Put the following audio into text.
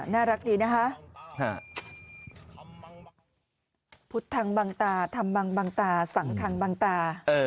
น่ารักดีนะคะ